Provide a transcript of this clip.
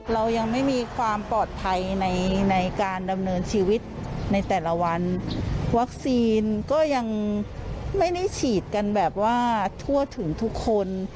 เรายังไม่มีความปลอดภัยในในการดำเนินชีวิตในแต่ละวันวัคซีนก็ยังไม่ได้ฉีดกันแบบว่าทั่วถึงทุกคน